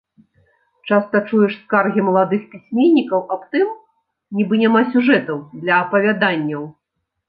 Часта чуеш скаргі маладых пісьменнікаў аб тым, нібы няма сюжэтаў для апавяданняў.